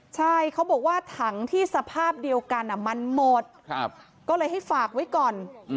ใช่เขาบอกว่าถังที่สภาพเดียวกันมันหมดก็เลยให้ฝากไว้ก่อน